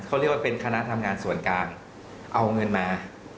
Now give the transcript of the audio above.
เขาเรียกว่าเป็นคณะทำงานส่วนกลางเอาเงินมา